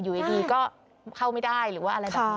อยู่ดีก็เข้าไม่ได้หรือว่าอะไรแบบนี้